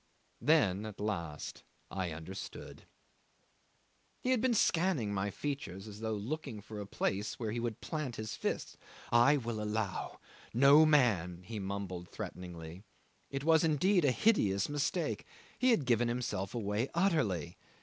Then, at last, I understood. 'He had been scanning my features as though looking for a place where he would plant his fist. "I will allow no man," ... he mumbled threateningly. It was, indeed, a hideous mistake; he had given himself away utterly.